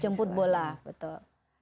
jemput bola betul